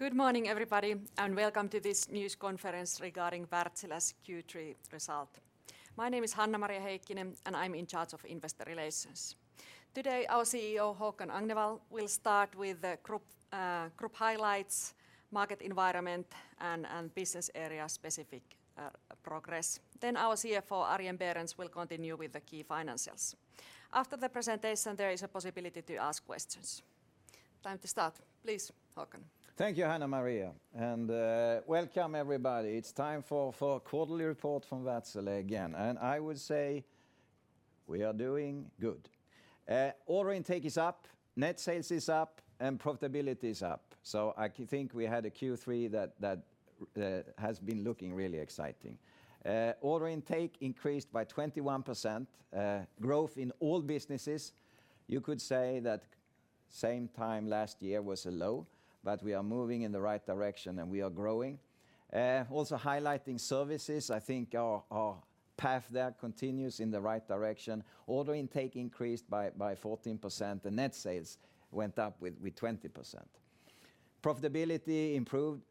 Good morning, everybody, and welcome to this news conference regarding Wärtsilä's Q3 result. My name is Hanna-Maria Heikkinen, and I'm in charge of investor relations. Today, our CEO, Håkan Agnevall, will start with the group highlights, market environment, and business area-specific progress. Then our CFO, Arjen Berends, will continue with the key financials. After the presentation, there is a possibility to ask questions. Time to start. Please, Håkan. Thank you, Hanna-Maria, and welcome everybody. It's time for a quarterly report from Wärtsilä again, and I would say we are doing good. Order intake is up, net sales is up, and profitability is up. I think we had a Q3 that has been looking really exciting. Order intake increased by 21%, growth in all businesses. You could say the same time last year was low, but we are moving in the right direction, and we are growing. Also highlighting services, I think our path there continues in the right direction. Order intake increased by 14%, and net sales went up with 20%. Profitability improved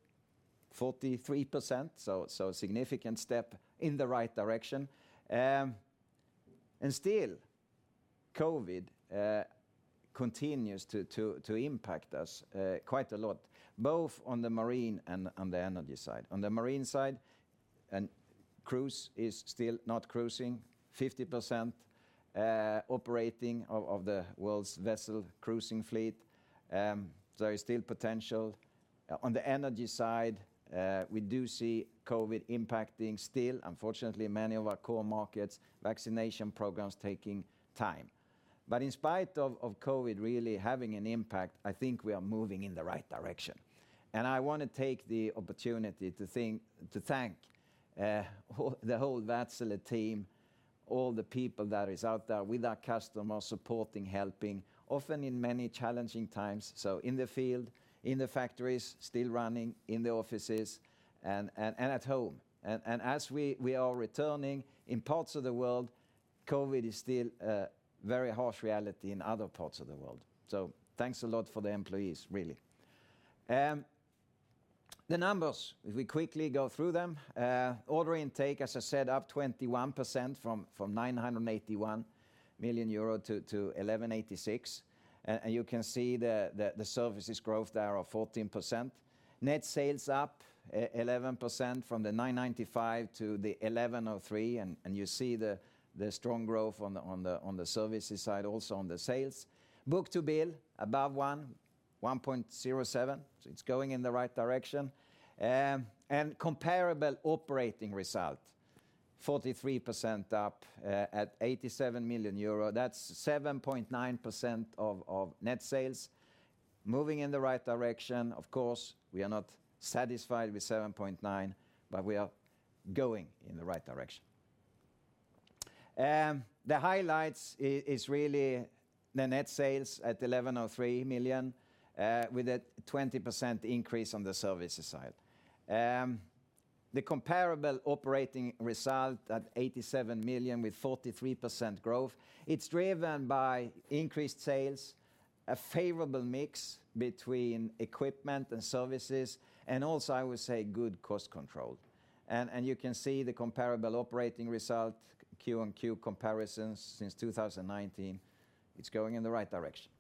43%, so a significant step in the right direction. Still, COVID continues to impact us quite a lot, both on the marine and on the energy side. On the marine side, cruise is still not cruising, 50% operating of the world's vessel cruising fleet, so there's still potential. On the energy side, we do see COVID impacting still, unfortunately, many of our core markets, vaccination programs taking time. In spite of COVID really having an impact, I think we are moving in the right direction. I want to take the opportunity to thank the whole Wärtsilä team, all the people that is out there with our customers, supporting, helping, often in many challenging times, so in the field, in the factories, still running, in the offices, and at home. As we are returning in parts of the world, COVID is still a very harsh reality in other parts of the world. Thanks a lot for the employees, really. The numbers, if we quickly go through them, order intake, as I said, up 21% from 981 million euro to 1,186 million. You can see the services growth there of 14%. Net sales up 11% from the 995 to the 1,103, and you see the strong growth on the services side, also on the sales. Book-to-bill above 1.07, so it's going in the right direction. Comparable operating result 43% up at 87 million euro. That's 7.9% of net sales. Moving in the right direction. Of course, we are not satisfied with 7.9%, but we are going in the right direction. The highlights is really the net sales at 1,103 million with a 20% increase on the services side. The comparable operating result at 87 million with 43% growth, it's driven by increased sales, a favorable mix between equipment and services, and also, I would say, good cost control. You can see the comparable operating result Q-on-Q comparisons since 2019. It's going in the right direction.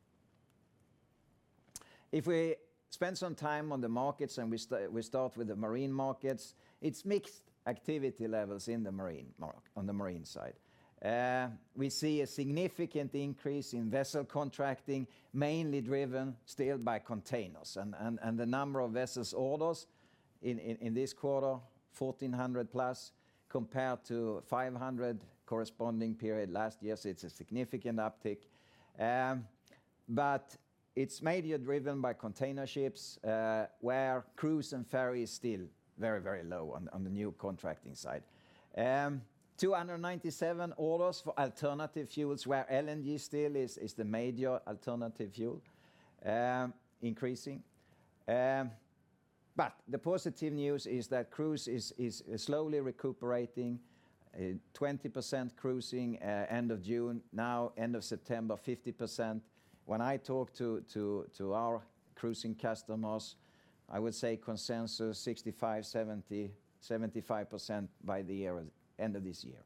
If we spend some time on the markets, we start with the marine markets, it's mixed activity levels in the marine markets on the marine side. We see a significant increase in vessel contracting, mainly driven still by containers, and the number of vessel orders in this quarter, 1400+ compared to 500 corresponding period last year, so it's a significant uptick. It's mainly driven by container ships, where cruise and ferry is still very low on the new contracting side. 297 orders for alternative fuels, where LNG still is the major alternative fuel, increasing. The positive news is that cruise is slowly recuperating, 20% cruising end of June, now end of September, 50%. When I talk to our cruising customers, I would say consensus 65, 70, 75% by the year end of this year.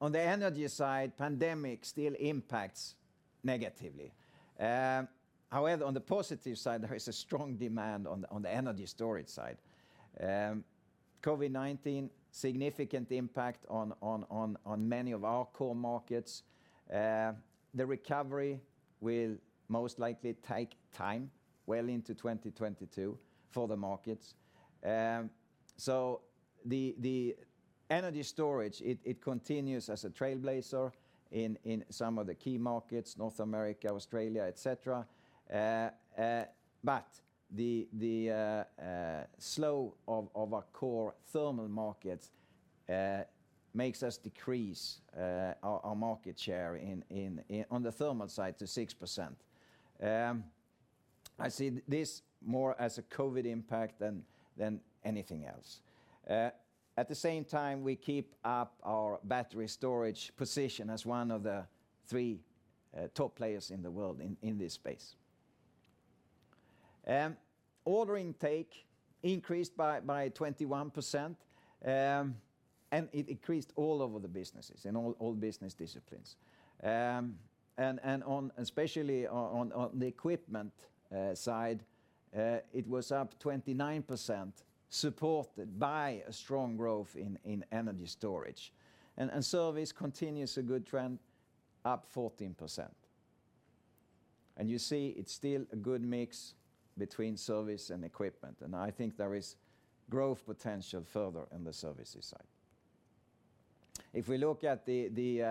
On the energy side, pandemic still impacts negatively. However, on the positive side, there is a strong demand on the energy storage side. COVID-19 has a significant impact on many of our core markets. The recovery will most likely take time, well into 2022 for the markets. The energy storage continues as a trailblazer in some of the key markets, North America, Australia, et cetera. The slowdown of our core thermal markets makes us decrease our market share on the thermal side to 6%. I see this more as a COVID impact than anything else. At the same time, we keep up our battery storage position as one of the three top players in the world in this space. Order intake increased by 21%, and it increased all over the businesses, in all business disciplines. Especially on the equipment side, it was up 29%, supported by a strong growth in energy storage. Service continues a good trend, up 14%. You see it's still a good mix between service and equipment, and I think there is growth potential further in the services side. If we look at the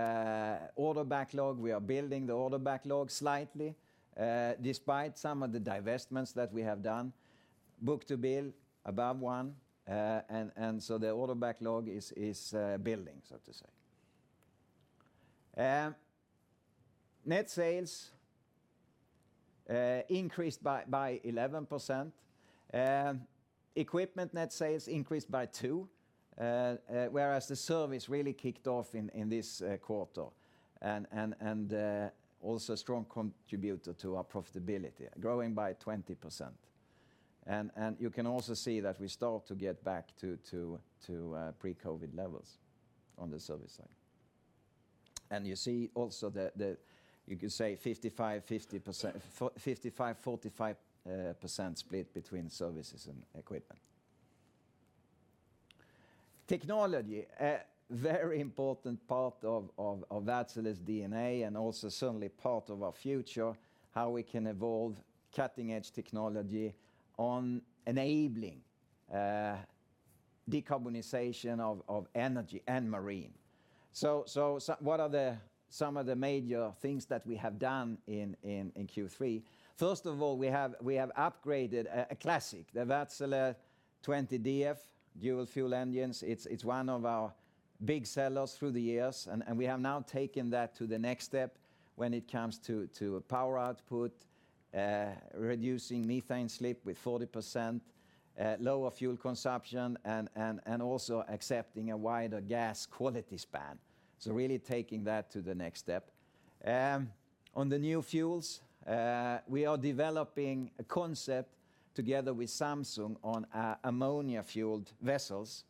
order backlog, we are building the order backlog slightly, despite some of the divestments that we have done. Book-to-bill above one, and so the order backlog is building, so to say. Net sales increased by 11%. Equipment net sales increased by 2%, whereas the service really kicked off in this quarter and also strong contributor to our profitability, growing by 20%. You can also see that we start to get back to pre-COVID levels on the service side. You see also the – you could say 55%-45% split between services and equipment. Technology, a very important part of Wärtsilä's DNA and also certainly part of our future, how we can evolve cutting-edge technology on enabling decarbonization of energy and marine. What are some of the major things that we have done in Q3? First of all, we have upgraded a classic, the Wärtsilä 20DF dual-fuel engines. It's one of our big sellers through the years, and we have now taken that to the next step when it comes to power output, reducing methane slip with 40%, lower fuel consumption and also accepting a wider gas quality span, so really taking that to the next step. On the new fuels, we are developing a concept together with Samsung on ammonia-fueled vessels.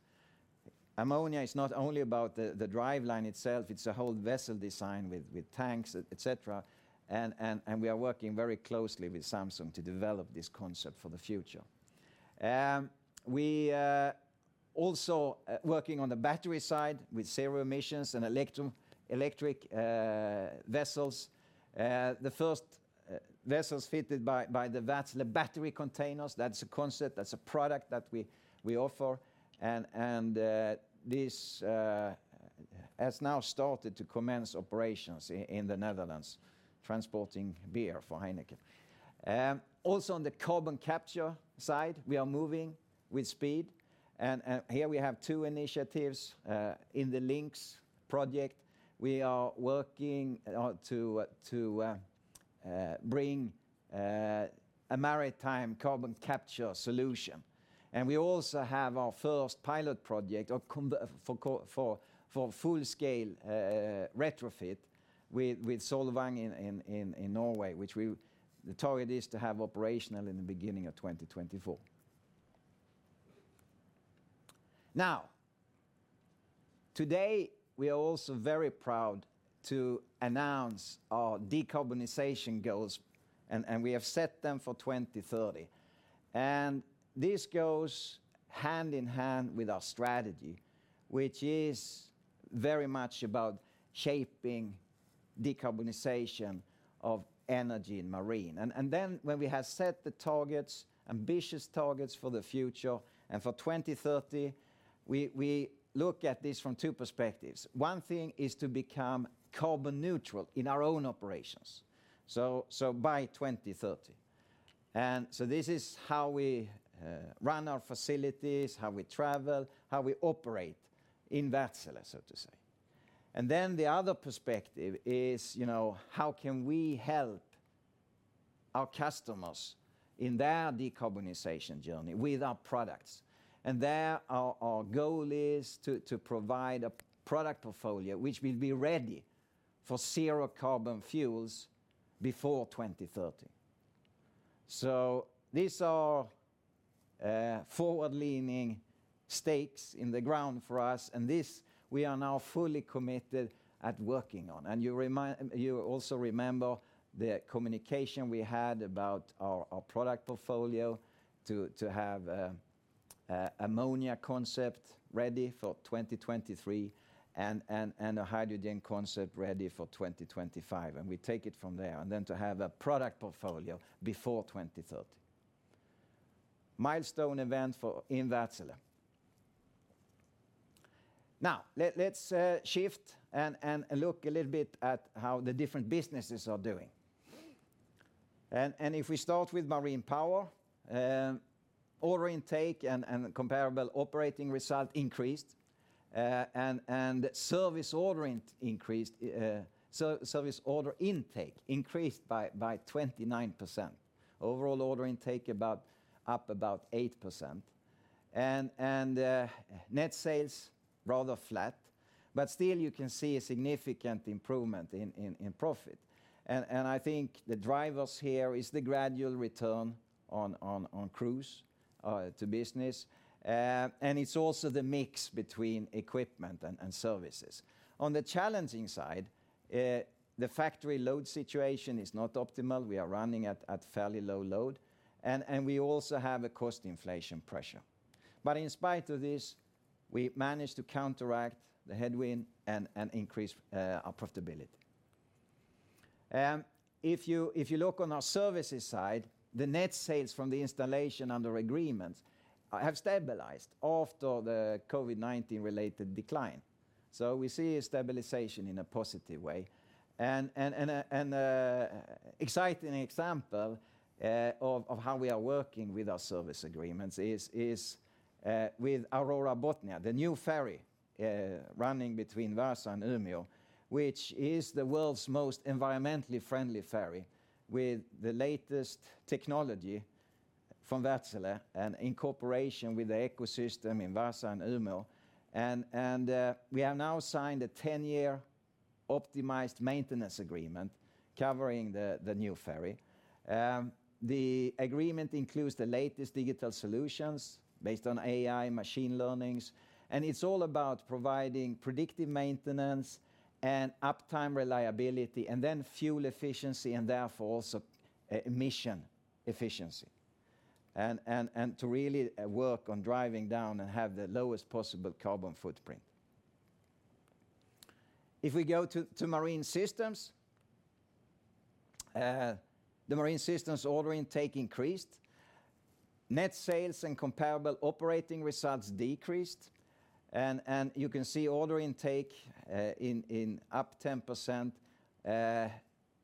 Ammonia is not only about the driveline itself, it's a whole vessel design with tanks, et cetera, and we are working very closely with Samsung to develop this concept for the future. We are also working on the battery side with zero emissions and electric vessels. The first vessels fitted by the Wärtsilä battery containers, that's a concept, that's a product that we offer and this has now started to commence operations in the Netherlands, transporting beer for Heineken. Also on the carbon capture side, we are moving with speed and here we have two initiatives. In the LINX project, we are working to bring a maritime carbon capture solution. We also have our first pilot project for full-scale retrofit with Solvang in Norway, the target is to have operational in the beginning of 2024. Now, today, we are also very proud to announce our decarbonization goals and we have set them for 2030. This goes hand in hand with our strategy, which is very much about shaping decarbonization of energy and marine. Then when we have set the targets, ambitious targets for the future and for 2030, we look at this from two perspectives. One thing is to become carbon neutral in our own operations, so by 2030. This is how we run our facilities, how we travel, how we operate in Wärtsilä, so to say. The other perspective is, you know, how can we help our customers in their decarbonization journey with our products? There our goal is to provide a product portfolio which will be ready for zero carbon fuels before 2030. These are forward-leaning stakes in the ground for us, and this we are now fully committed at working on. You also remember the communication we had about our product portfolio to have an ammonia concept ready for 2023 and a hydrogen concept ready for 2025, and we take it from there, and then to have a product portfolio before 2030. Milestone event in Wärtsilä. Now, let's shift and look a little bit at how the different businesses are doing. If we start with Marine Power, order intake and comparable operating results increased, and service order intake increased by 29%. Overall order intake up about 8%. Net sales rather flat, but still you can see a significant improvement in profit. I think the drivers here is the gradual return of cruise to business. It's also the mix between equipment and services. On the challenging side, the factory load situation is not optimal. We are running at fairly low load and we also have a cost inflation pressure. In spite of this, we managed to counteract the headwind and increase our profitability. If you look on our services side, the net sales from the installation under agreements have stabilized after the COVID-19 related decline. We see a stabilization in a positive way. An exciting example of how we are working with our service agreements is with Aurora Botnia, the new ferry running between Vaasa and Umeå, which is the world's most environmentally friendly ferry with the latest technology from Wärtsilä and in cooperation with the ecosystem in Vaasa and Umeå. We have now signed a 10-year optimized maintenance agreement covering the new ferry. The agreement includes the latest digital solutions based on AI machine learning, and it's all about providing predictive maintenance and uptime reliability, and then fuel efficiency and therefore also emission efficiency to really work on driving down and have the lowest possible carbon footprint. If we go to Marine Systems, the Marine Systems order intake increased. Net sales and comparable operating results decreased. You can see order intake up 10%.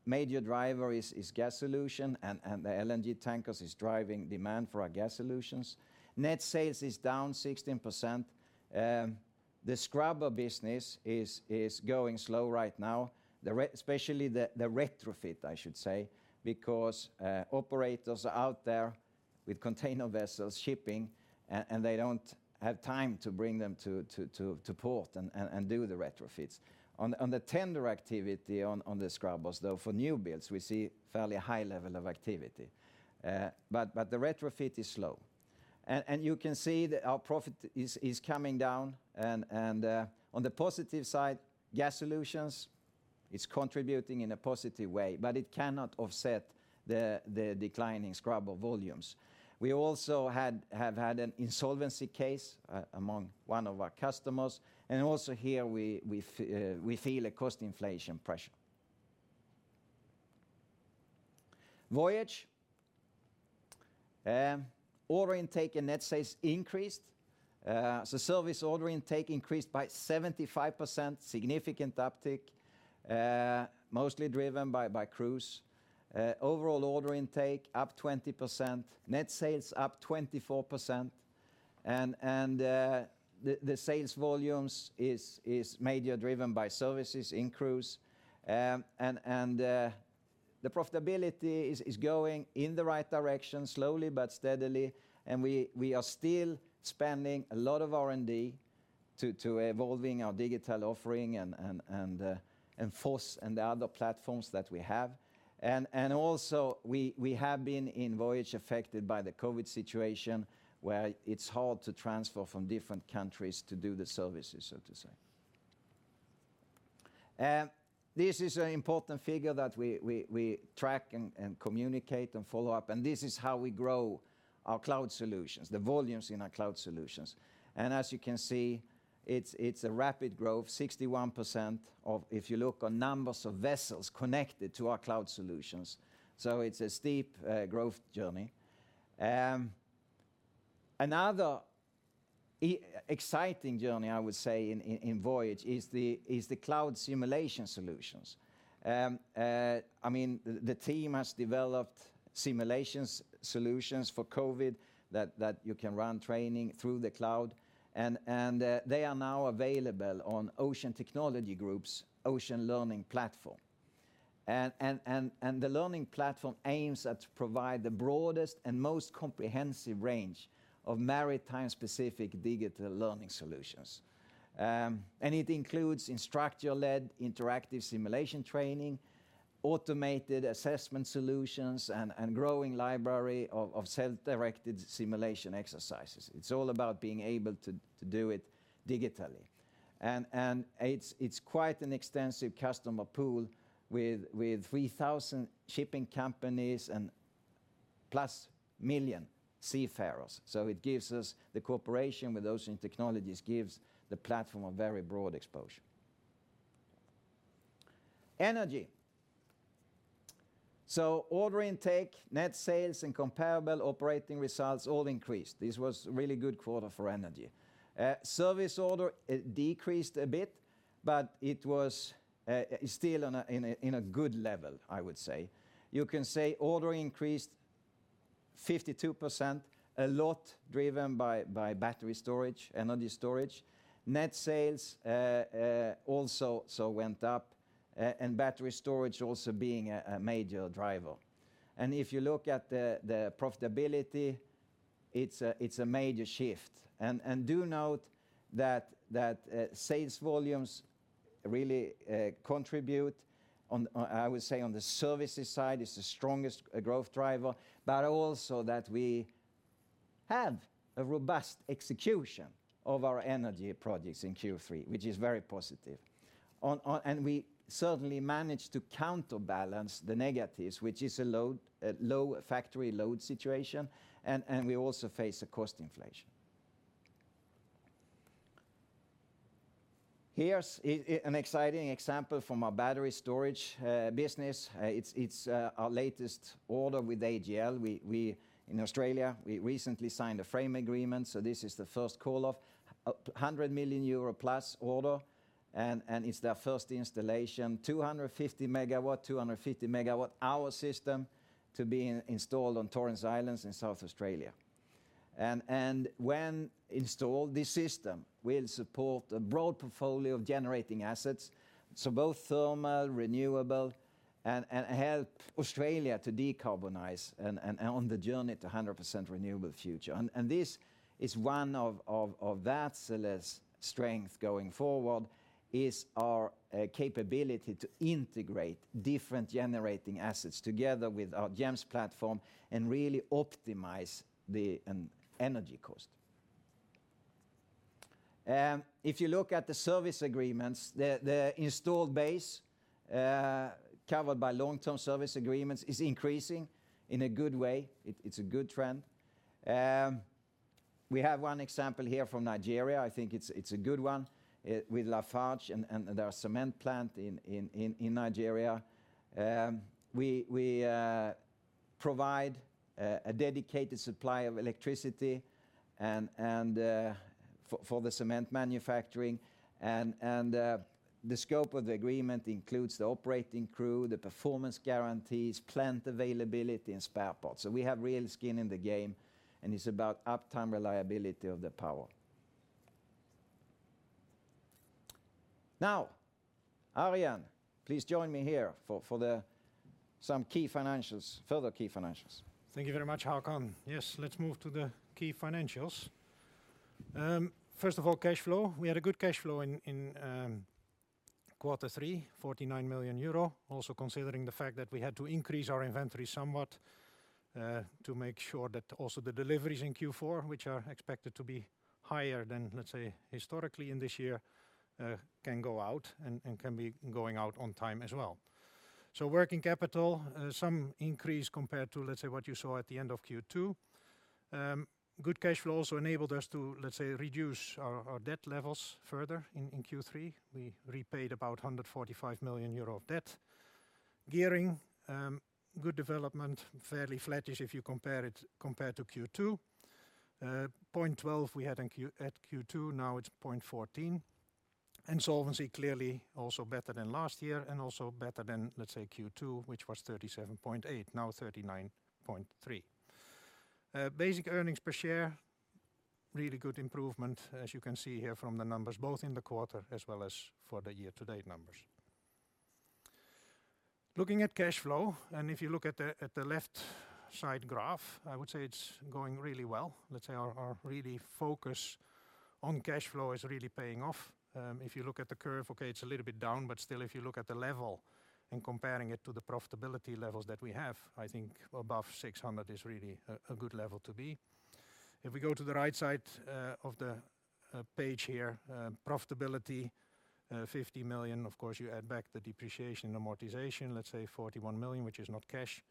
Major driver is Gas Solution and the LNG tankers is driving demand for our Gas Solutions. Net sales is down 16%. The scrubber business is going slow right now, especially the retrofit, I should say, because operators are out there with container vessels shipping and they don't have time to bring them to port and do the retrofits. On the tender activity on the scrubbers though, for new builds, we see fairly high level of activity. The retrofit is slow. You can see that our profit is coming down and on the positive side, Gas Solutions is contributing in a positive way, but it cannot offset the declining scrubber volumes. We have had an insolvency case among one of our customers, and also here we feel a cost inflation pressure. Voyage order intake and net sales increased. Service order intake increased by 75%, significant uptick, mostly driven by cruise. Overall order intake up 20%, net sales up 24%. The sales volumes is mainly driven by services in cruise. The profitability is going in the right direction, slowly but steadily. We are still spending a lot of R&D to evolving our digital offering and FOSS and the other platforms that we have. Also we have been in Voyage affected by the COVID situation, where it's hard to transfer from different countries to do the services, so to say. This is an important figure that we track and communicate and follow up, and this is how we grow our cloud solutions, the volumes in our cloud solutions. As you can see, it's a rapid growth, 61% growth if you look at numbers of vessels connected to our cloud solutions. It's a steep growth journey. Another exciting journey, I would say, in Voyage is the cloud simulation solutions. I mean, the team has developed simulation solutions for COVID that you can run training through the cloud and they are now available on Ocean Technologies Group's Ocean Learning Platform. The learning platform aims to provide the broadest and most comprehensive range of maritime-specific digital learning solutions. It includes instructor-led interactive simulation training, automated assessment solutions, and growing library of self-directed simulation exercises. It's all about being able to do it digitally. It's quite an extensive customer pool with 3,000 shipping companies and plus 1 million seafarers. The cooperation with Ocean Technologies gives the platform a very broad exposure. Energy. Order intake, net sales, and comparable operating results all increased. This was a really good quarter for energy. Service order decreased a bit, but it was still in a good level, I would say. You can say order increased 52%, a lot driven by battery storage and energy storage. Net sales also went up, and battery storage also being a major driver. If you look at the profitability, it's a major shift. Do note that sales volumes really contribute on, I would say, on the services side is the strongest growth driver, but also that we have a robust execution of our energy projects in Q3, which is very positive. We certainly managed to counterbalance the negatives, which is a low factory load situation, and we also face a cost inflation. Here's an exciting example from our battery storage business. It's our latest order with AGL. In Australia, we recently signed a framework agreement, so this is the first call of a 100 million euro-plus order and it's their first installation. 250 MW, 250 MWh system to be installed on Torrens Island in South Australia. When installed, this system will support a broad portfolio of generating assets, so both thermal, renewable, and help Australia to decarbonize and on the journey to 100% renewable future. This is one of Wärtsilä's strength going forward, is our capability to integrate different generating assets together with our GEMS platform and really optimize the energy cost. If you look at the service agreements, the installed base covered by long-term service agreements is increasing in a good way. It's a good trend. We have one example here from Nigeria. I think it's a good one with Lafarge and their cement plant in Nigeria. We provide a dedicated supply of electricity and for the cement manufacturing and the scope of the agreement includes the operating crew, the performance guarantees, plant availability, and spare parts. We have real skin in the game, and it's about uptime reliability of the power. Now, Arjen, please join me here for some key financials, further key financials. Thank you very much, Håkan. Yes, let's move to the key financials. First of all, cash flow. We had a good cash flow in quarter three, 49 million euro. Also considering the fact that we had to increase our inventory somewhat to make sure that also the deliveries in Q4, which are expected to be higher than, let's say, historically in this year, can go out and can be going out on time as well. Working capital, some increase compared to, let's say, what you saw at the end of Q2. Good cash flow also enabled us to, let's say, reduce our debt levels further in Q3. We repaid about 145 million euro of debt. Gearing, good development, fairly flattish if you compare it to Q2. 1.12 we had in Q2, now it's 1.14. Solvency clearly also better than last year and also better than, let's say, Q2, which was 37.8%, now 39.3%. Basic earnings per share, really good improvement, as you can see here from the numbers, both in the quarter as well as for the year-to-date numbers. Looking at cash flow, if you look at the left side graph, I would say it's going really well. Let's say our real focus on cash flow is really paying off. If you look at the curve, okay, it's a little bit down, but still, if you look at the level and comparing it to the profitability levels that we have, I think above 600 million is really a good level to be. If we go to the right side of the page here, profitability, 50 million, of course, you add back the depreciation and amortization, let's say 41 million, which is not cash.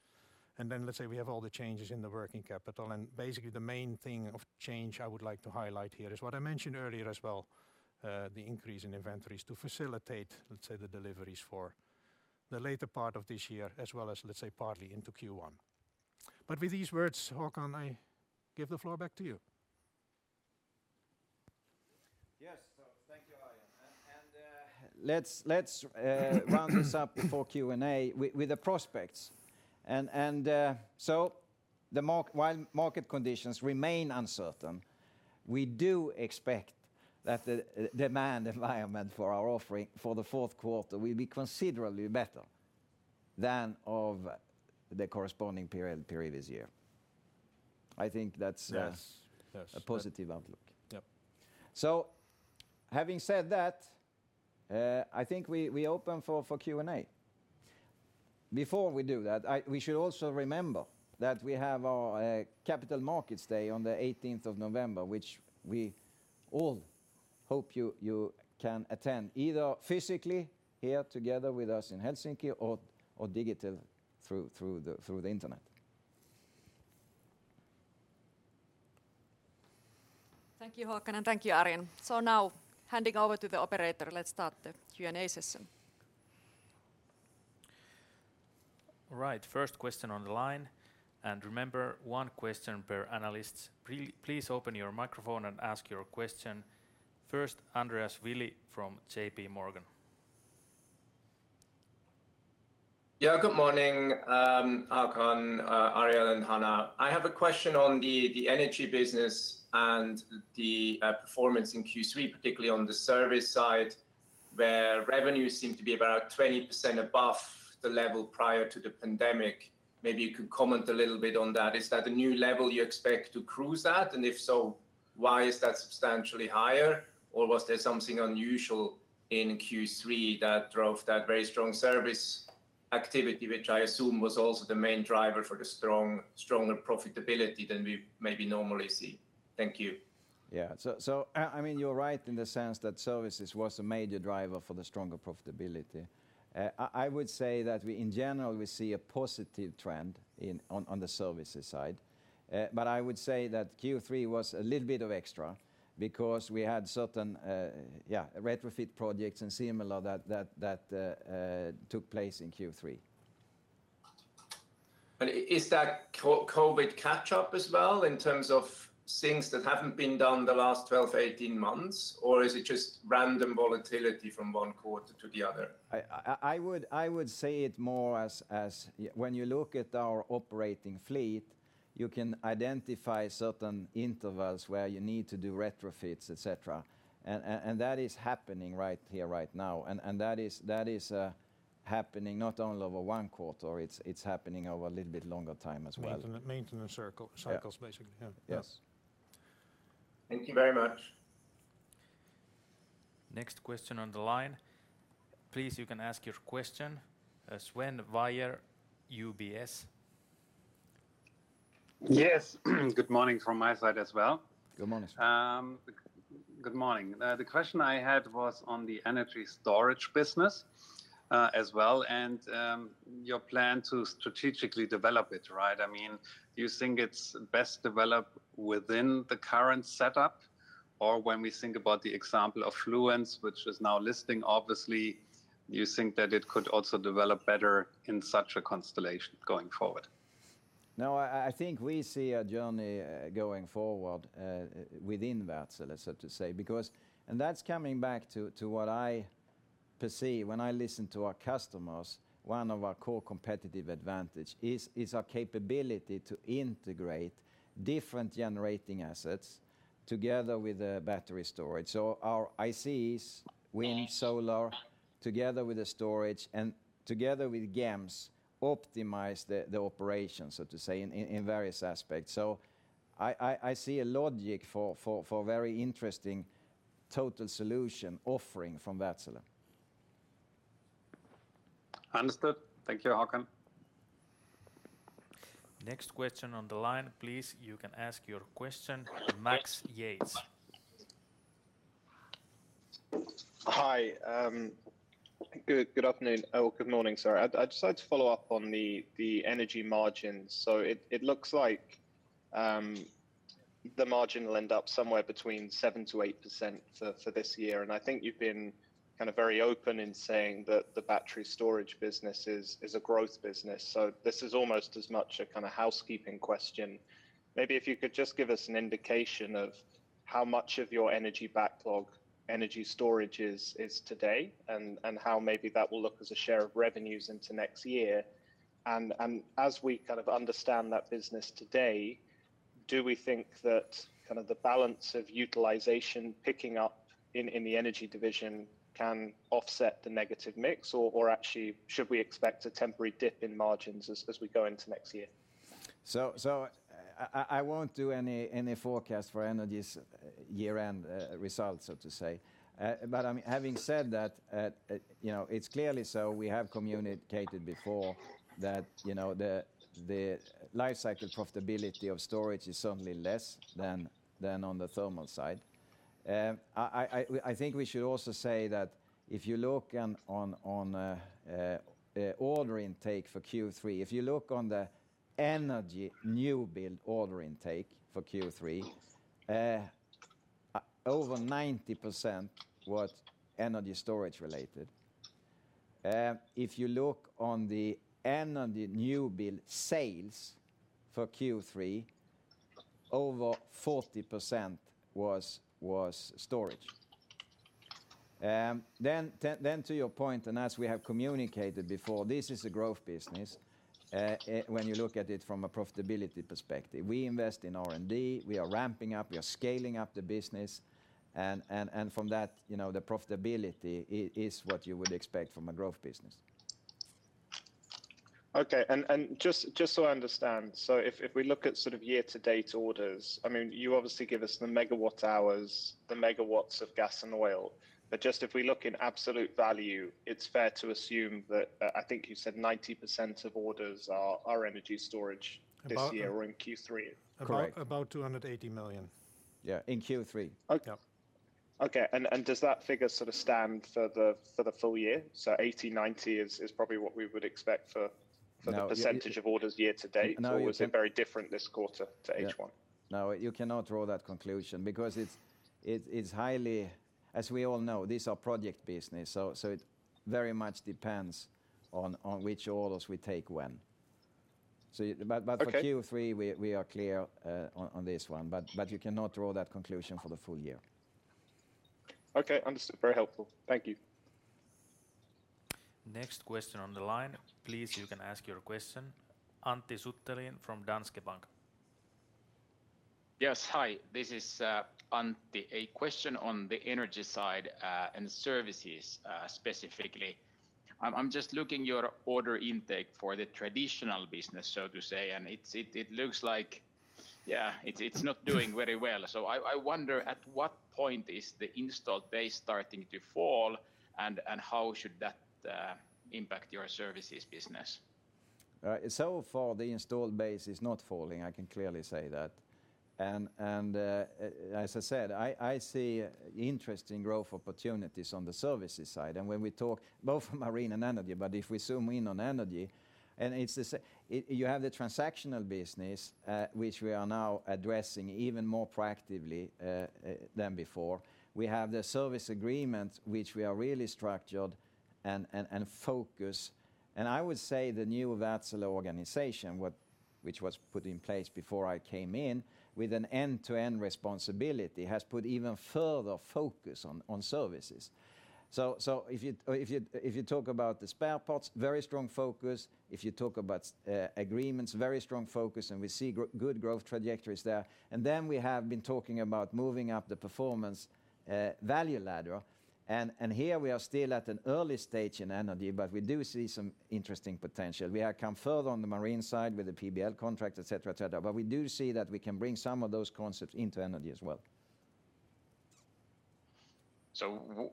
Then let's say we have all the changes in the working capital, and basically the main thing of change I would like to highlight here is what I mentioned earlier as well, the increase in inventories to facilitate, let's say, the deliveries for the later part of this year, as well as, let's say, partly into Q1. With these words, Håkan, I give the floor back to you. Yes. Thank you, Arjen. Let's round this up before Q&A with the prospects. While market conditions remain uncertain, we do expect that the demand environment for our offering for the Q4 will be considerably better than of the corresponding period this year. I think that's Yes. Yes a positive outlook. Yep. Having said that, I think we open for Q&A. Before we do that, we should also remember that we have our Capital Markets Day on the eighteenth of November, which we all hope you can attend, either physically here together with us in Helsinki or digital through the internet. Thank you, Håkan, and thank you, Arjen. Now handing over to the operator, let's start the Q&A session. All right. First question on the line, and remember one question per analyst. Please open your microphone and ask your question. First, Andreas Willi from J.P. Morgan Yeah. Good morning, Håkan, Arjen and Hanna-Maria. I have a question on the energy business and the performance in Q3, particularly on the service side, where revenues seem to be about 20% above the level prior to the pandemic. Maybe you could comment a little bit on that. Is that a new level you expect to cruise at? And if so, why is that substantially higher? Or was there something unusual in Q3 that drove that very strong service activity, which I assume was also the main driver for the strong, stronger profitability than we maybe normally see? Thank you. I mean, you're right in the sense that services was a major driver for the stronger profitability. I would say that in general we see a positive trend on the services side. I would say that Q3 was a little bit of extra because we had certain retrofit projects and similar that took place in Q3. Is that COVID catch up as well in terms of things that haven't been done the last 12-18 months? Or is it just random volatility from 1 quarter to the other? I would say it more as, when you look at our operating fleet, you can identify certain intervals where you need to do retrofits, et cetera. That is happening right here, right now. That is happening not only over one quarter, it's happening over a little bit longer time as well. Maintenance. Yeah Cycles, basically. Yeah. Yes. Thank you very much. Next question on the line. Please, you can ask your question. Sven Weier, UBS. Yes. Good morning from my side as well. Good morning, Sven. Good morning. The question I had was on the energy storage business, as well, and your plan to strategically develop it, right? I mean, you think it's best developed within the current setup? Or when we think about the example of Fluence, which is now listing, obviously, you think that it could also develop better in such a constellation going forward? No, I think we see a journey going forward within Wärtsilä, so to say, because that's coming back to what I perceive when I listen to our customers. One of our core competitive advantage is our capability to integrate different generating assets together with the battery storage. Our ICEs, wind, solar, together with the storage and together with GEMS, optimize the operation, so to say, in various aspects. I see a logic for very interesting total solution offering from Wärtsilä. Understood. Thank you, Håkan. Next question on the line. Please, you can ask your question. Max Yates. Hi. Good afternoon. Good morning, sir. I'd just like to follow up on the energy margins. It looks like the margin will end up somewhere between 7%-8% for this year. I think you've been kind of very open in saying that the battery storage business is a growth business. This is almost as much a kind of housekeeping question. Maybe if you could just give us an indication of how much of your energy backlog energy storage is today, and how maybe that will look as a share of revenues into next year. As we kind of understand that business today, do we think that kind of the balance of utilization picking up in the energy division can offset the negative mix? Actually, should we expect a temporary dip in margins as we go into next year? I won't do any forecast for Energy's year-end results, so to say. I mean, having said that, you know, it's clearly so we have communicated before that, you know, the life cycle profitability of storage is certainly less than on the thermal side. I think we should also say that if you look on order intake for Q3, if you look on the Energy new build order intake for Q3, over 90% was energy storage related. If you look on the Energy new build sales for Q3, over 40% was storage. To your point, and as we have communicated before, this is a growth business when you look at it from a profitability perspective. We invest in R&D, we are ramping up, we are scaling up the business. From that, you know, the profitability is what you would expect from a growth business. Okay. Just so I understand. If we look at sort of year-to-date orders, I mean, you obviously give us the megawatt hours, the megawatts of gas and oil. But just if we look in absolute value, it's fair to assume that, I think you said 90% of orders are energy storage this year. About- or in Q3? Correct. About 280 million. Yeah, in Q3. Okay. Yeah. Okay. Does that figure sort of stand for the full year? 80-90 is probably what we would expect for- No for the percentage of orders year-to-date No, you can. Was it very different this quarter to H1? No, you cannot draw that conclusion because it's highly. As we all know, these are project business, so it very much depends on which orders we take when. Okay For Q3, we are clear on this one. You cannot draw that conclusion for the full year. Okay, understood. Very helpful. Thank you. Next question on the line, please. You can ask your question. Antti Suttelin from Danske Bank. Yes. Hi, this is Antti. A question on the energy side and services specifically. I'm just looking at your order intake for the traditional business, so to say, and it looks like, yeah, it's not doing very well. I wonder at what point is the installed base starting to fall and how that should impact your services business? So far the installed base is not falling, I can clearly say that. As I said, I see interesting growth opportunities on the Services side. When we talk both Marine and Energy, but if we zoom in on Energy, and it's the—say, you have the transactional business, which we are now addressing even more proactively than before. We have the service agreement, which we are really structured and focused. I would say the new Wärtsilä organization, which was put in place before I came in, with an end-to-end responsibility, has put even further focus on Services. If you talk about the spare parts, very strong focus, if you talk about agreements, very strong focus, and we see good growth trajectories there. We have been talking about moving up the performance, value ladder, and here we are still at an early stage in energy, but we do see some interesting potential. We have come further on the marine side with the PBL contract, et cetera, but we do see that we can bring some of those concepts into energy as well.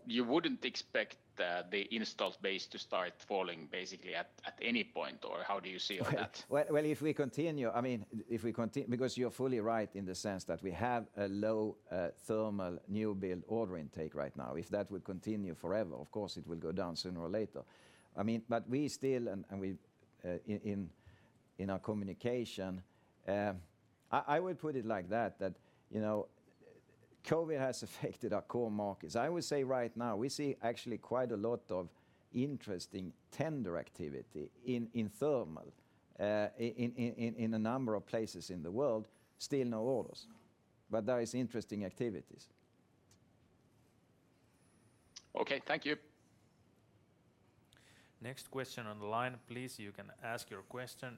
You wouldn't expect the installed base to start falling basically at any point, or how do you see on that? Because you're fully right in the sense that we have a low thermal new build order intake right now. If that will continue forever, of course it will go down sooner or later. I mean, but we still in our communication I would put it like that you know COVID has affected our core markets. I would say right now we see actually quite a lot of interesting tender activity in thermal in a number of places in the world, still no orders, but there is interesting activities. Okay. Thank you. Next question on the line, please. You can ask your question.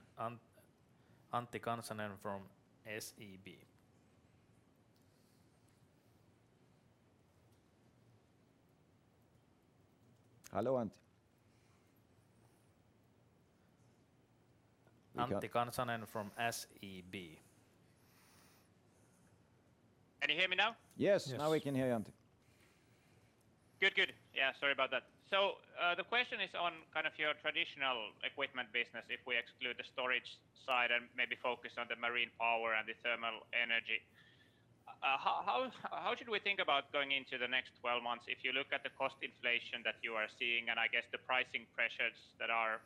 Antti Kansanen from SEB. Hello, Antti. Antti Kansanen from SEB. Can you hear me now? Yes. Yes. Now we can hear you, Antti. Good. Good. Yeah, sorry about that. The question is on kind of your traditional equipment business, if we exclude the storage side and maybe focus on the marine power and the thermal energy. How should we think about going into the next 12 months? If you look at the cost inflation that you are seeing, and I guess the pricing pressures that are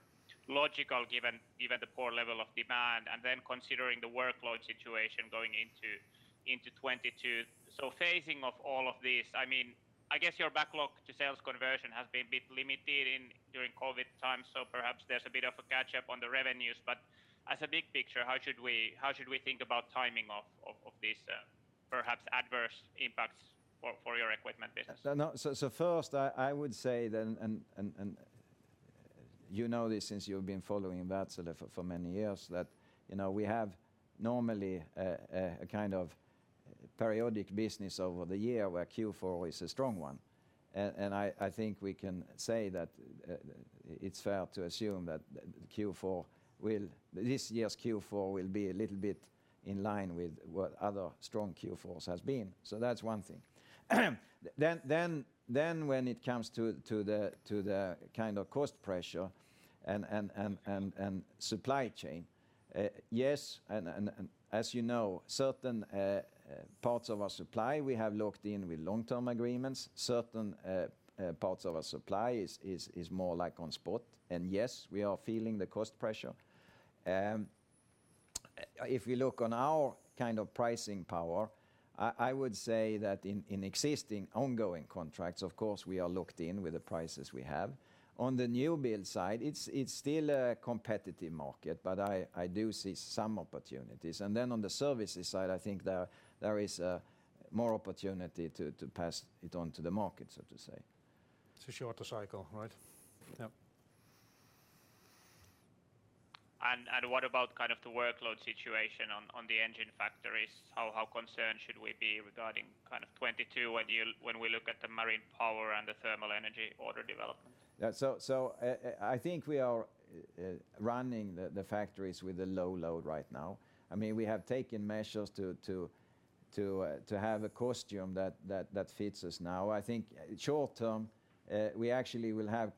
logical given the poor level of demand, and then considering the workload situation going into 2022. Phasing of all of this, I mean, I guess your backlog to sales conversion has been a bit limited during COVID times, so perhaps there's a bit of a catch up on the revenues. As a big picture, how should we think about timing of this, perhaps adverse impacts for your equipment business? No. First, I would say then, and you know this since you've been following Wärtsilä for many years, that you know, we have normally a kind of periodic business over the year where Q4 is a strong one. I think we can say that it's fair to assume that this year's Q4 will be a little bit in line with what other strong Q4s has been. That's one thing. When it comes to the kind of cost pressure and supply chain, yes, and as you know, certain parts of our supply we have locked in with long-term agreements. Certain parts of our supply is more like on spot. Yes, we are feeling the cost pressure. If we look on our kind of pricing power, I would say that in existing ongoing contracts, of course, we are locked in with the prices we have. On the new build side, it's still a competitive market, but I do see some opportunities. On the services side, I think there is more opportunity to pass it on to the market, so to say. It's a shorter cycle, right? Yep. What about kind of the workload situation on the engine factories? How concerned should we be regarding kind of 2022 when we look at the Marine Power and the thermal energy order development? Yeah. I think we are running the factories with a low load right now. I mean, we have taken measures to have a cost base that fits us now. I think short term, we actually will have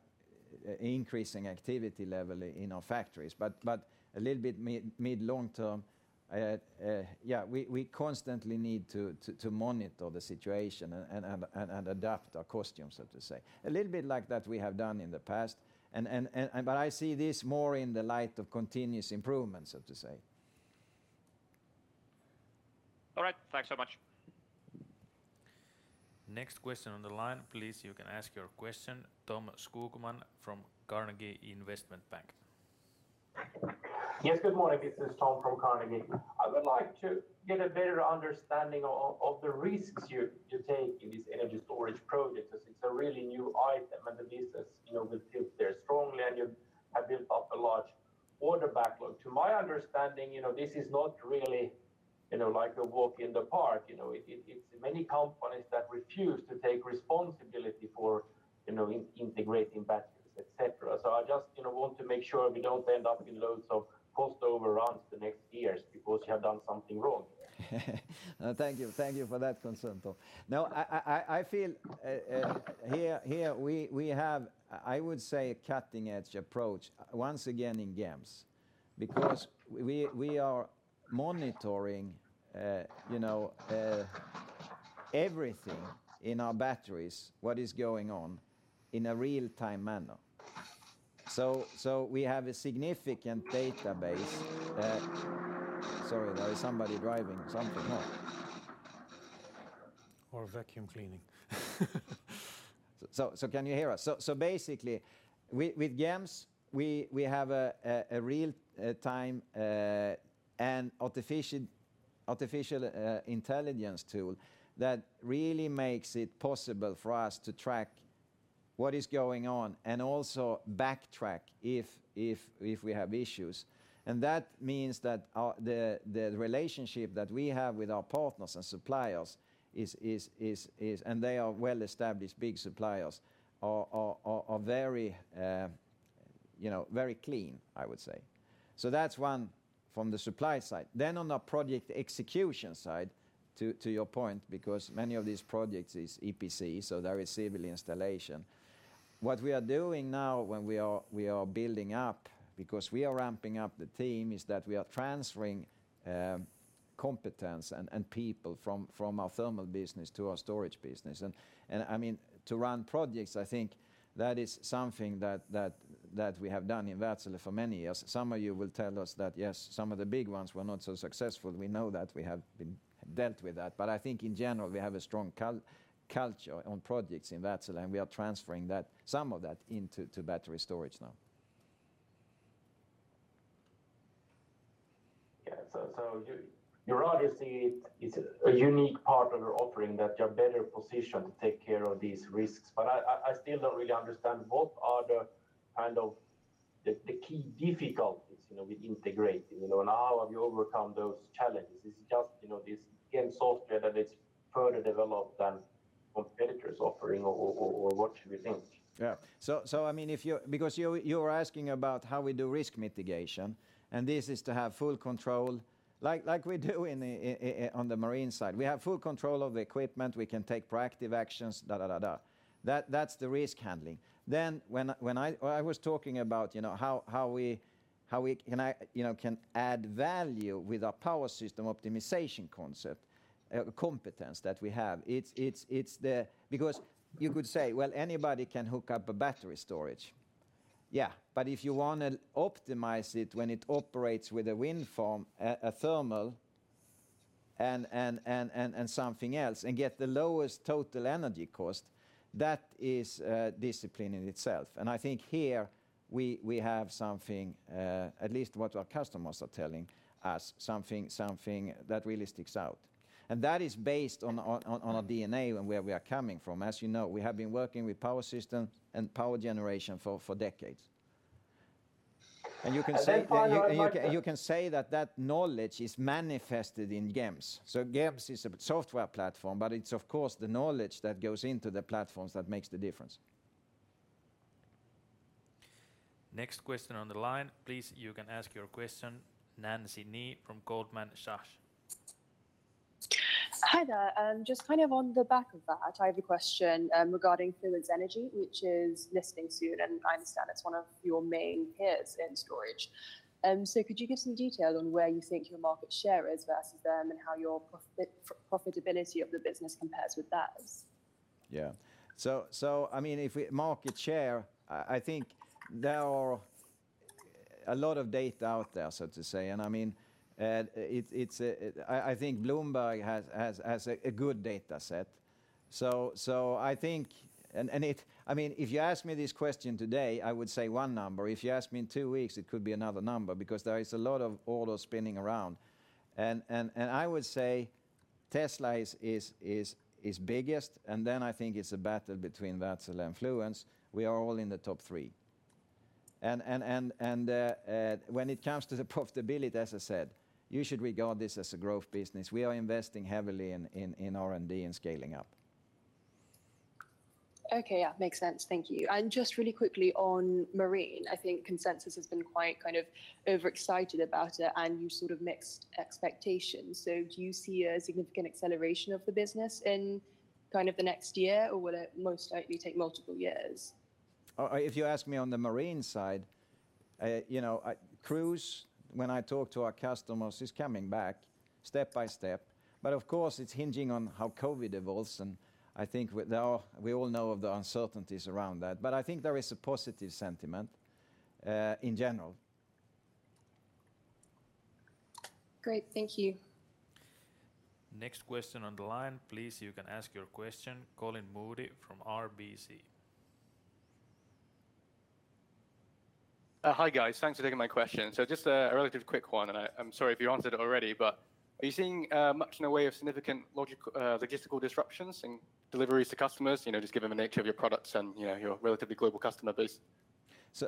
increasing activity level in our factories, but a little bit medium long term, yeah, we constantly need to monitor the situation and adapt our cost base, so to say. A little bit like that we have done in the past. I see this more in the light of continuous improvements, so to say. All right. Thanks so much. Next question on the line, please. You can ask your question. Tom Skogman from Carnegie Investment Bank. Yes, good morning. This is Tom from Carnegie. I would like to get a better understanding of the risks you take in these energy storage projects, as it's a really new item and the business, you know, built there strongly and you have built up a large order backlog. To my understanding, you know, this is not really, you know, like a walk in the park, you know. It's many companies that refuse to take responsibility for, you know, integrating batteries, et cetera. I just, you know, want to make sure we don't end up in loads of cost overruns the next years because you have done something wrong. Thank you. Thank you for that concern, Tom. No, I feel here we have, I would say, a cutting-edge approach once again in GEMS, because we are monitoring, you know, everything in our batteries, what is going on in a real-time manner. We have a significant database. Sorry, there is somebody driving something or- Vacuum cleaning. Can you hear us? Basically with GEMS we have a real-time and artificial intelligence tool that really makes it possible for us to track what is going on and also backtrack if we have issues. That means that the relationship that we have with our partners and suppliers is and they are well-established big suppliers are very you know very clean, I would say. That's one from the supply side. On the project execution side, to your point, because many of these projects is EPC, so there is civil installation. What we are doing now is that we are building up, because we are ramping up the team, we are transferring competence and people from our thermal business to our storage business. I mean, to run projects, I think that is something that we have done in Wärtsilä for many years. Some of you will tell us that, yes, some of the big ones were not so successful. We know that. We have dealt with that. I think in general, we have a strong culture on projects in Wärtsilä, and we are transferring that, some of that into battery storage now. Yeah. It's a unique partner offering that you're better positioned to take care of these risks. I still don't really understand what are the kind of the key difficulties, you know, with integrating, you know, and how have you overcome those challenges? It's just, you know, this GEMS software that it's further developed than competitors offering or what should we think? I mean, because you are asking about how we do risk mitigation, and this is to have full control like we do on the marine side. We have full control of the equipment, we can take proactive actions. That's the risk handling. When I was talking about, you know, how we can add value with our power system optimization concept, competence that we have. It's because you could say, well, anybody can hook up a battery storage. Yeah, but if you wanna optimize it when it operates with a wind farm, a thermal and something else and get the lowest total energy cost, that is a discipline in itself. I think here we have something, at least what our customers are telling us, something that really sticks out. That is based on our DNA and where we are coming from. As you know, we have been working with power systems and power generation for decades. You can say- Finally. You can say that knowledge is manifested in GEMS. GEMS is a software platform, but it's of course the knowledge that goes into the platforms that makes the difference. Next question on the line, please. You can ask your question, Daniela Costa from Goldman Sachs. Hi there. Just kind of on the back of that, I have a question regarding Fluence Energy, which is listing soon, and I understand it's one of your main peers in storage. So could you give some detail on where you think your market share is versus them and how your profitability of the business compares with theirs? I mean, market share, I think there are a lot of data out there, so to say. I mean, I think Bloomberg has a good data set. I think. I mean, if you ask me this question today, I would say one number. If you ask me in two weeks, it could be another number because there is a lot of orders spinning around. I would say Tesla is biggest, and then I think it's a battle between Wärtsilä and Fluence. We are all in the top three. When it comes to the profitability, as I said, you should regard this as a growth business. We are investing heavily in R&D and scaling up. Okay. Yeah. Makes sense. Thank you. Just really quickly on marine, I think consensus has been quite kind of overexcited about it and you sort of mixed expectations. Do you see a significant acceleration of the business in kind of the next year, or will it most likely take multiple years? If you ask me on the marine side, you know, cruise, when I talk to our customers, is coming back step by step. Of course, it's hinging on how COVID evolves, and I think there are, we all know of the uncertainties around that. I think there is a positive sentiment, in general. Great. Thank you. Next question on the line, please, you can ask your question. Colin Moody from RBC. Hi guys. Thanks for taking my question. Just a relatively quick one, and I'm sorry if you answered it already, but are you seeing much in the way of significant logistical disruptions in deliveries to customers, you know, just given the nature of your products and, you know, your relatively global customer base?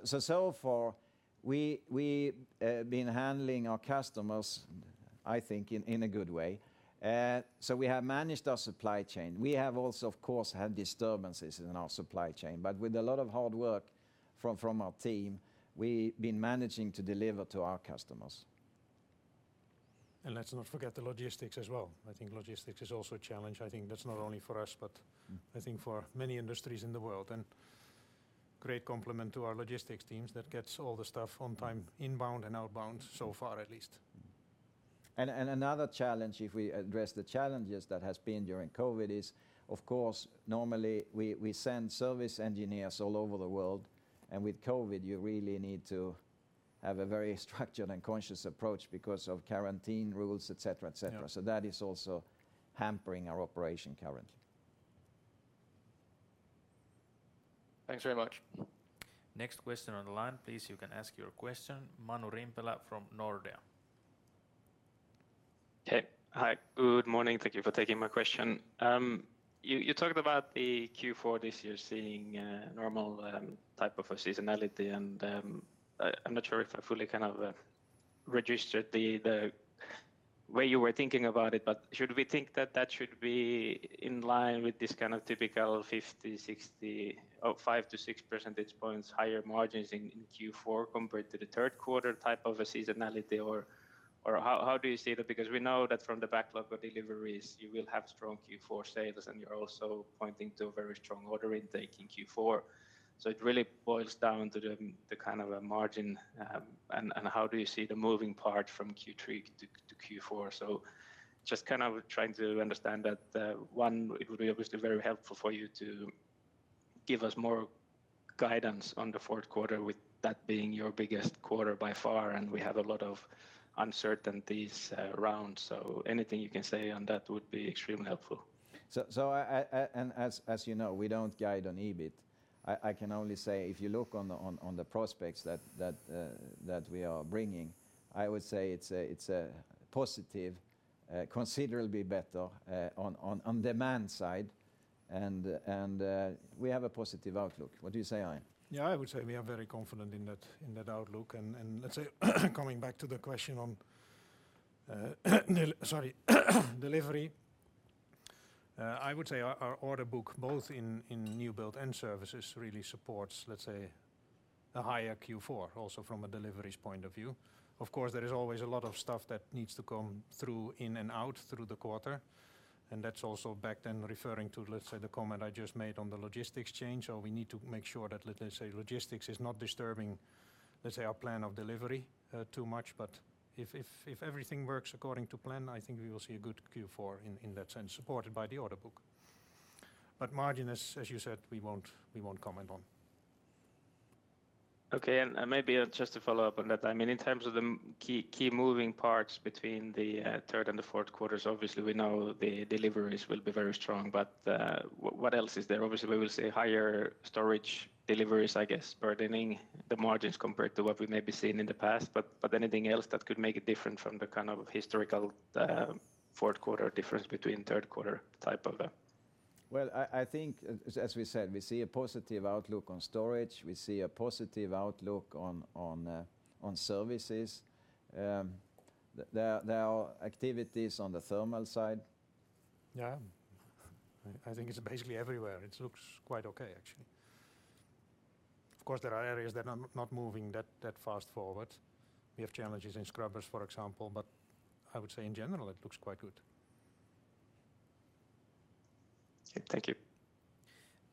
So far we been handling our customers, I think in a good way. We have managed our supply chain. We have also, of course, had disturbances in our supply chain, but with a lot of hard work from our team, we been managing to deliver to our customers. Let's not forget the logistics as well. I think logistics is also a challenge. I think that's not only for us, but I think for many industries in the world, and great compliment to our logistics teams that gets all the stuff on time, inbound and outbound, so far at least. another challenge, if we address the challenges that has been during COVID, is of course, normally we send service engineers all over the world, and with COVID you really need to have a very structured and conscious approach because of quarantine rules, et cetera, et cetera. Yeah. that is also hampering our operation currently. Thanks very much. Next question on the line, please. You can ask your question. Manu Rimpelä from Nordea. Hey. Hi, good morning. Thank you for taking my question. You talked about the Q4 this year seeing normal type of a seasonality, and I'm not sure if I fully kind of registered the way you were thinking about it, but should we think that that should be in line with this kind of typical 5-6 percentage points higher margins in Q4 compared to the Q3 type of a seasonality or how do you see that? Because we know that from the backlog of deliveries you will have strong Q4 sales, and you're also pointing to a very strong order intake in Q4. It really boils down to the kind of a margin and how do you see the moving part from Q3 to Q4? Just kind of trying to understand that. One, it would be obviously very helpful for you to give us more guidance on the Q4 with that being your biggest quarter by far, and we have a lot of uncertainties around, so anything you can say on that would be extremely helpful. As you know, we don't guide on EBIT. I can only say if you look on the prospects that we are bringing, I would say it's a positive, considerably better on demand side and we have a positive outlook. What do you say, Arjen? Yeah, I would say we are very confident in that, in that outlook. Let's say coming back to the question on, sorry, delivery. I would say our order book, both in new build and services really supports, let's say, a higher Q4 also from a deliveries point of view. Of course, there is always a lot of stuff that needs to come through in and out through the quarter, and that's also back then referring to, let's say, the comment I just made on the logistics change. We need to make sure that, let's say, logistics is not disturbing, let's say, our plan of delivery, too much. If everything works according to plan, I think we will see a good Q4 in that sense, supported by the order book. Margin, as you said, we won't comment on. Maybe just to follow up on that, I mean, in terms of the key moving parts between the third and the Q4, obviously we know the deliveries will be very strong, but what else is there? Obviously we will see higher storage deliveries, I guess burdening the margins compared to what we maybe seen in the past, but anything else that could make it different from the kind of historical Q4 difference between Q3 type of. Well, I think as we said, we see a positive outlook on storage. We see a positive outlook on services. There are activities on the thermal side. Yeah. I think it's basically everywhere. It looks quite okay, actually. Of course, there are areas that are not moving that fast forward. We have challenges in scrubbers, for example, but I would say in general it looks quite good. Okay. Thank you.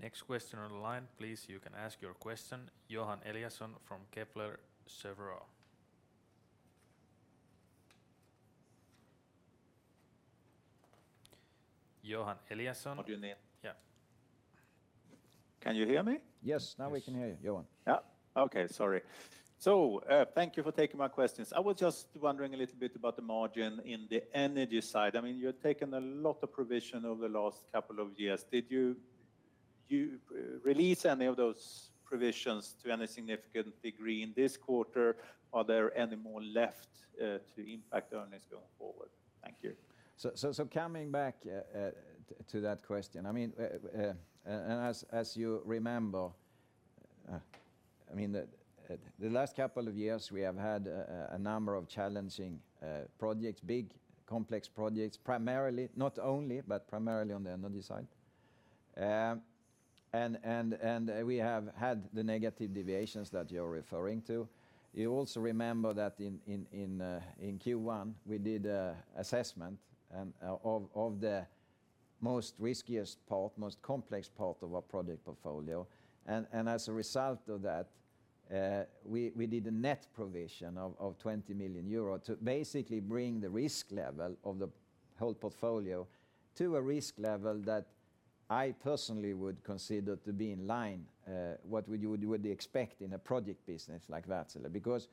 Next question on the line, please. You can ask your question. Johan Eliason from Kepler Cheuvreux. Johan Eliason. How do you hear? Yeah. Can you hear me? Yes. Now we can hear you, Johan. Yes. Thank you for taking my questions. I was just wondering a little bit about the margin in the energy side. I mean, you've taken a lot of provision over the last couple of years. Did you release any of those provisions to any significant degree in this quarter? Are there any more left to impact earnings going forward? Thank you. Coming back to that question, I mean, and as you remember, I mean, the last couple of years we have had a number of challenging projects, big complex projects, primarily, not only, but primarily on the energy side. We have had the negative deviations that you're referring to. You also remember that in Q1 we did an assessment of the riskiest, most complex part of our project portfolio. As a result of that, we did a net provision of 20 million euro to basically bring the risk level of the whole portfolio to a risk level that I personally would consider to be in line with what you would expect in a project business like Wärtsilä. Because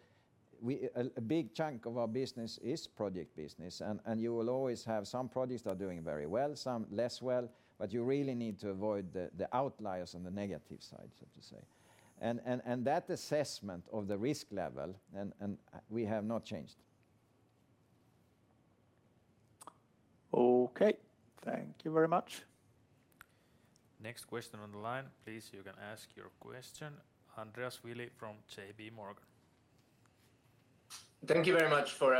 we A big chunk of our business is project business and you will always have some projects that are doing very well, some less well, but you really need to avoid the outliers on the negative side, so to say. That assessment of the risk level and we have not changed. Okay. Thank you very much. Next question on the line, please. You can ask your question. Andreas Willi from J.P. Morgan. Thank you very much for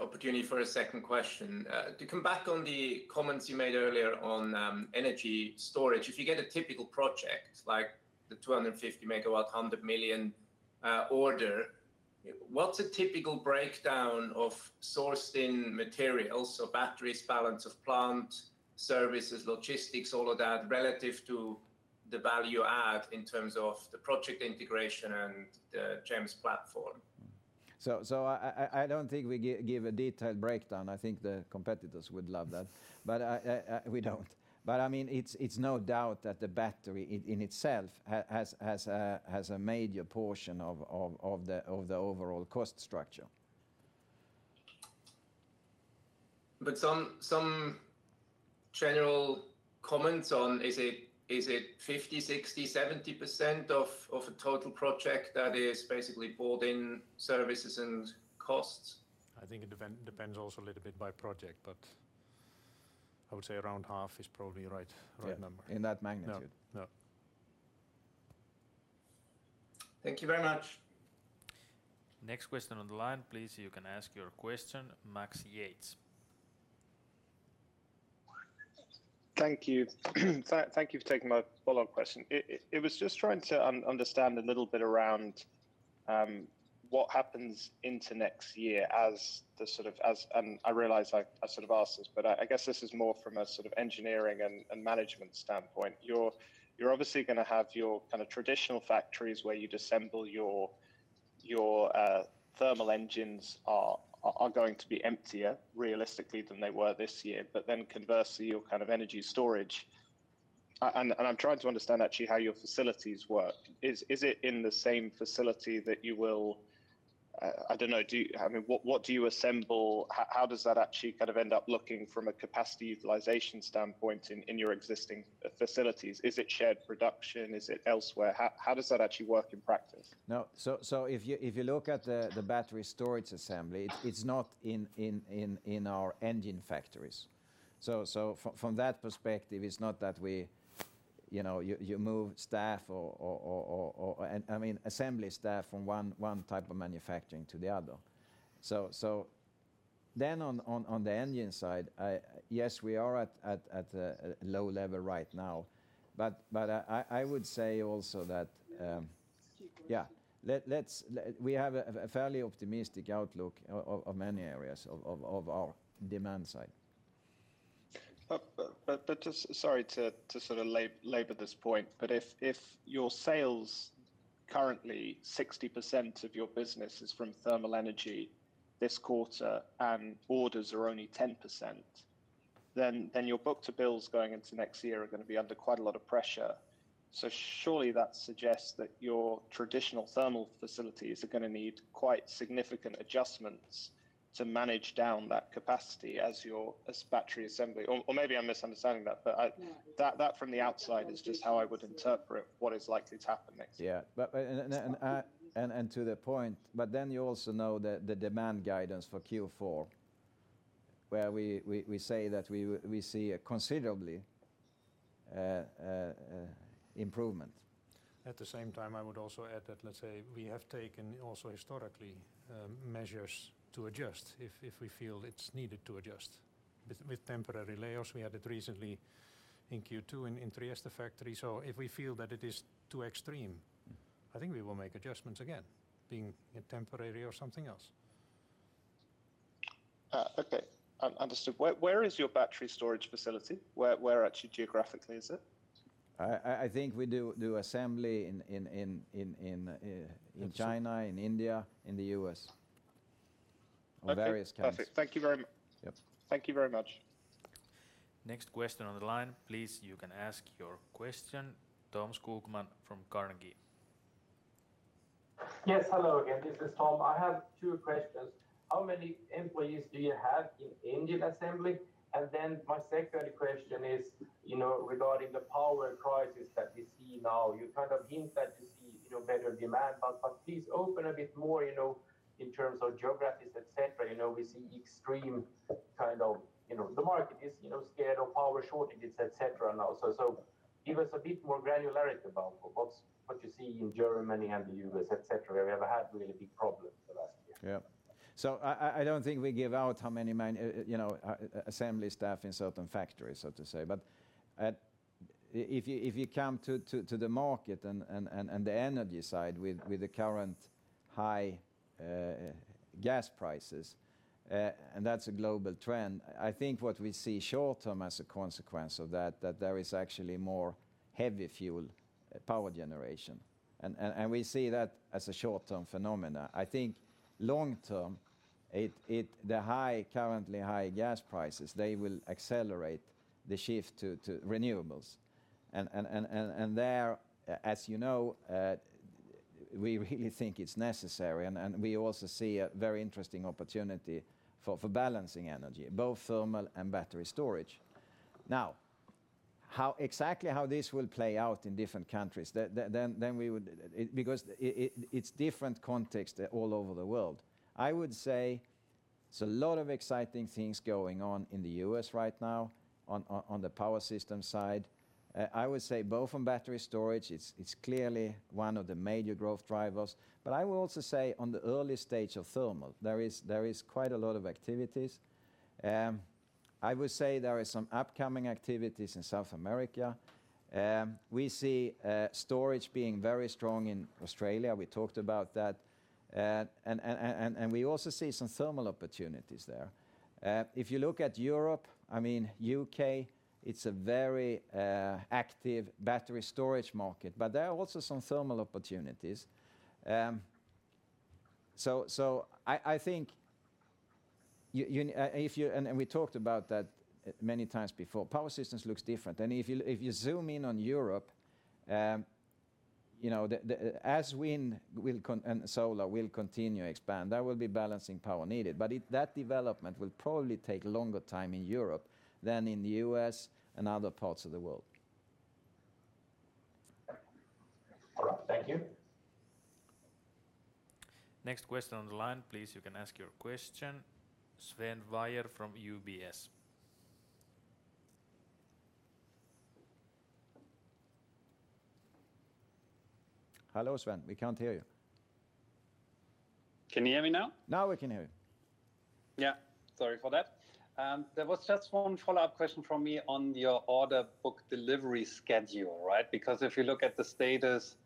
opportunity for a second question. To come back on the comments you made earlier on energy storage. If you get a typical project like the 250 MW, 100 million order, what's a typical breakdown of sourced-in materials? So batteries, balance of plant, services, logistics, all of that, relative to the value add in terms of the project integration and the GEMS platform. I don't think we give a detailed breakdown. I think the competitors would love that. We don't. I mean, it's no doubt that the battery in itself has a major portion of the overall cost structure. Some general comments on, is it 50, 60, 70% of a total project that is basically bought in services and costs? I think it depends also a little bit by project, but I would say around half is probably the right number. Yeah. In that magnitude. Yeah. Yeah. Thank you very much. Next question on the line, please. You can ask your question. Max Yates. Thank you. Thank you for taking my follow-up question. It was just trying to understand a little bit around what happens into next year as the sort of. I realize I sort of asked this, but I guess this is more from a sort of engineering and management standpoint. You're obviously gonna have your kind of traditional factories where you'd assemble your thermal engines, are going to be emptier realistically than they were this year. Then conversely, your kind of energy storage. I'm trying to understand actually how your facilities work. Is it in the same facility that you will, I don't know, I mean, what do you assemble? How does that actually kind of end up looking from a capacity utilization standpoint in your existing facilities? Is it shared production? Is it elsewhere? How does that actually work in practice? No. If you look at the battery storage assembly, it's not in our engine factories. From that perspective, it's not that we, you know, you move assembly staff from one type of manufacturing to the other. On the engine side, yes, we are at a low level right now, but I would say also that Steve, question. We have a fairly optimistic outlook of our demand side. Just sorry to sort of labor this point. If your sales currently 60% of your business is from thermal energy this quarter, and orders are only 10%, then your book-to-bills going into next year are gonna be under quite a lot of pressure. Surely that suggests that your traditional thermal facilities are gonna need quite significant adjustments to manage down that capacity as your battery assembly or maybe I'm misunderstanding that. I- No. That from the outside is just how I would interpret what is likely to happen next year. To the point, but then you also know the demand guidance for Q4, where we say that we see a considerable improvement. At the same time, I would also add that let's say we have taken also historically measures to adjust if we feel it's needed to adjust. With temporary layoffs, we had it recently in Q2 in Trieste factory. If we feel that it is too extreme, I think we will make adjustments again, being it temporary or something else. Okay. Understood. Where is your battery storage facility? Where actually geographically is it? I think we do assembly in China, in India, in the U.S. Okay. On various kinds- Perfect. Thank you very much. Yep. Thank you very much. Next question on the line, please, you can ask your question. Tom Skogman from Carnegie. Yes. Hello again, this is Tom. I have two questions. How many employees do you have in engine assembly? My secondary question is, you know, regarding the power crisis that we see now, you kind of hint that you see, you know, better demand. Please open a bit more, you know, in terms of geographies, et cetera. You know, we see extreme kind of, you know, the market is, you know, scared of power shortages, et cetera now. Give us a bit more granularity about what you see in Germany and the U.S., et cetera. We have had really big problems the last year. I don't think we give out how many men assembly staff in certain factories, so to say. If you come to the market and the energy side with the current high gas prices, and that's a global trend. I think what we see short-term as a consequence of that, there is actually more heavy fuel power generation. We see that as a short-term phenomenon. I think long-term, the currently high gas prices will accelerate the shift to renewables. As you know, we really think it's necessary and we also see a very interesting opportunity for balancing energy, both thermal and battery storage. Now, how exactly this will play out in different countries because it's different context all over the world. I would say there's a lot of exciting things going on in the U.S. right now on the power systems side. I would say both from battery storage, it's clearly one of the major growth drivers. But I will also say on the early stage of thermal, there is quite a lot of activities. I would say there are some upcoming activities in South America. We see storage being very strong in Australia. We talked about that. We also see some thermal opportunities there. If you look at Europe, I mean, U.K., it's a very active battery storage market, but there are also some thermal opportunities. So I think we talked about that many times before. Power systems looks different. If you zoom in on Europe, you know, as wind and solar will continue to expand, there will be balancing power needed. That development will probably take longer time in Europe than in the U.S. and other parts of the world. All right. Thank you. Next question on the line, please. You can ask your question. Sven Weier from UBS. Hello, Sven. We can't hear you. Can you hear me now? Now we can hear you. Yeah. Sorry for that. There was just one follow-up question from me on your order book delivery schedule, right? Because if you look at the status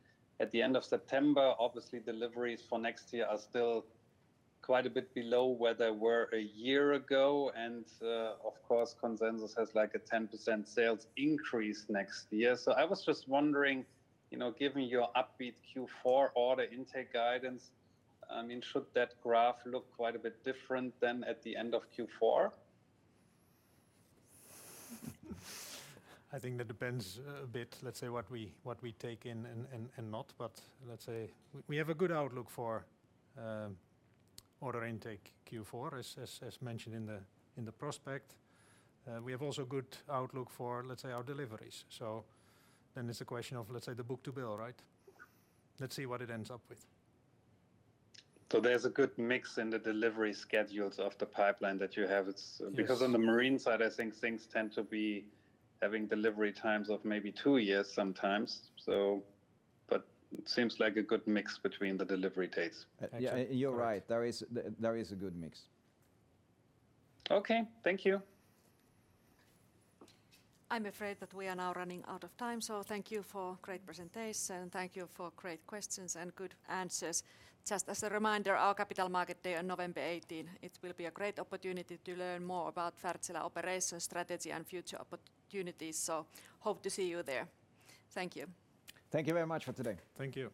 at the end of September, obviously deliveries for next year are still quite a bit below where they were a year ago. Of course, consensus has like a 10% sales increase next year. I was just wondering, you know, given your upbeat Q4 order intake guidance, I mean, should that graph look quite a bit different than at the end of Q4? I think that depends a bit, let's say, what we take in and not. Let's say we have a good outlook for order intake Q4 as mentioned in the prospectus. We have also good outlook for, let's say, our deliveries. It's a question of, let's say, the book-to-bill, right? Let's see what it ends up with. There's a good mix in the delivery schedules of the pipeline that you have. Yes. Because on the marine side, I think things tend to be having delivery times of maybe two years sometimes. Seems like a good mix between the delivery dates. Yeah, you're right. There is a good mix. Okay. Thank you. I'm afraid that we are now running out of time. Thank you for great presentation. Thank you for great questions and good answers. Just as a reminder, our Capital Markets Day on November 18 will be a great opportunity to learn more about Wärtsilä operational strategy and future opportunities. Hope to see you there. Thank you. Thank you very much for today. Thank you.